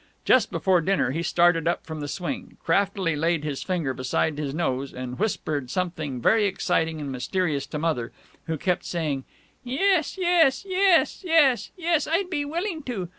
Just before dinner he started up from the swing, craftily laid his finger beside his nose, and whispered something very exciting and mysterious to Mother, who kept saying: "Yes, yes. Yes, yes. Yes, I'd be willing to.